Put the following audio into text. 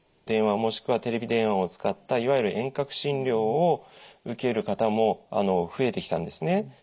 電話もしくはテレビ電話を使ったいわゆる遠隔診療を受ける方も増えてきたんですね。